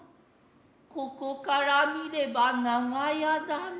ここから視れば長屋だが。